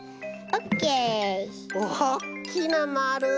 おっきなまる！